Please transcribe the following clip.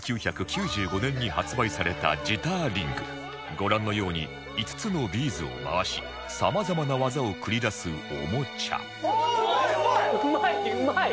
１９９５年に発売されたジターリングご覧のように５つのビーズを回しさまざまな技を繰り出すおもちゃああーうまいうまい。